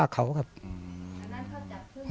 อันนั้นเขาจับพึ่ง